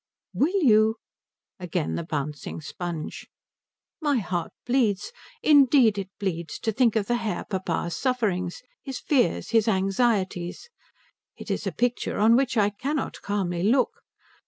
"Will you " Again the pouncing sponge. "My heart bleeds indeed it bleeds to think of the Herr Papa's sufferings, his fears, his anxieties. It is a picture on which I cannot calmly look.